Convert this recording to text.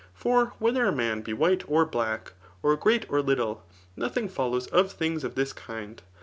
] For whether a man be white or black, or great or little, nothing follows .of things of this kind.